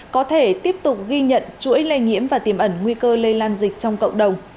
có thể tiếp tục ghi nhận chuỗi lây nhiễm và tiềm ẩn nguy cơ lây lan dịch trong cộng đồng